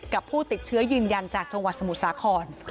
ผู้ติดเชื้อยืนยันจากจังหวัดสมุทรสาคร